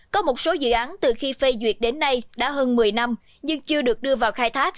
có một số dự án từ khi phê duyệt đến nay đã hơn một mươi năm nhưng chưa được đưa vào khai thác